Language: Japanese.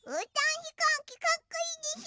ひこうきかっこいいでしょ？